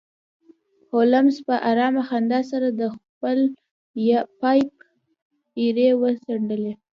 هولمز په ارامه خندا سره د خپل پایپ ایرې وڅنډلې